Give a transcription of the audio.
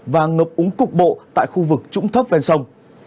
và ngập úng cục bộ tại khu vực trũng thấp ven sông